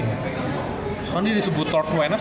terus kan dia disebut lord wenas